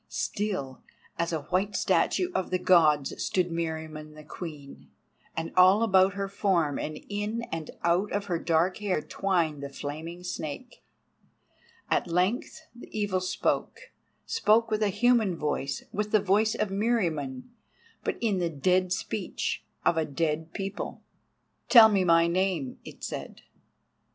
Still as a white statue of the Gods stood Meriamun the Queen, and all about her form and in and out of her dark hair twined the flaming snake. At length the Evil spoke—spoke with a human voice, with the voice of Meriamun, but in the dead speech of a dead people: "Tell me my name," it said.